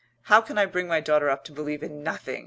How can I bring my daughter up to believe in nothing?"